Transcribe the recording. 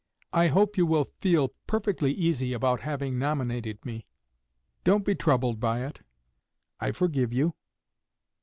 I hope you will feel perfectly easy about having nominated me; don't be troubled about it; I forgive you."